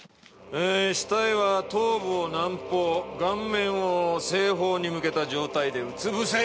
えー死体は頭部を南方顔面を西方に向けた状態でうつ伏せ。